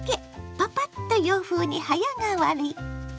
パパッと洋風に早変わり。